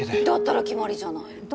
だったら決まりじゃない。